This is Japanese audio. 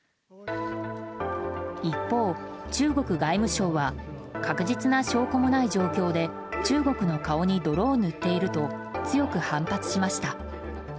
一方、中国外務省は確実な証拠もない状況で中国の顔に泥を塗っていると強く反発しました。